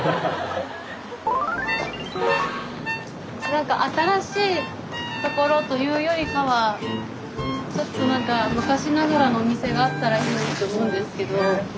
なんか新しいところというよりかはちょっとなんか昔ながらのお店があったらいいのにって思うんですけど。